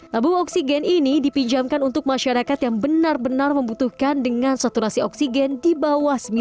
tabung oksigen ini dipinjamkan untuk masyarakat yang benar benar membutuhkan dengan saturasi oksigen di bawah sembilan puluh